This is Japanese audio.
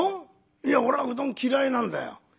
いや俺はうどん嫌いなんだよ」。